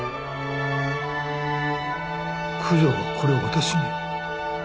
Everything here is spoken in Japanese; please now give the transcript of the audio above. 九条がこれを私に？